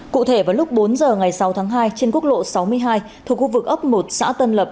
cụ thể vào lúc bốn giờ ngày sáu tháng hai trên quốc lộ sáu mươi hai thuộc khu vực ấp một xã tân lập